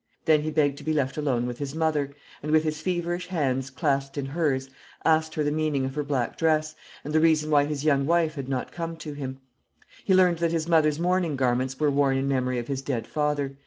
Then he begged to be left alone with his mother; and, with his feverish hands clasped in hers, asked her the meaning of her black dress, and the reason why his young wife had not come to him. He learned that his mother's mourning garments were worn in memory of his dead father.